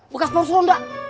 bukas mau seronda